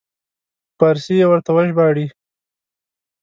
په فارسي یې ورته وژباړي.